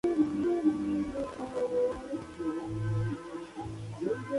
Come poliquetos.